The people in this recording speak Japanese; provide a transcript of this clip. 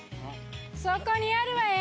そこにあるわよ！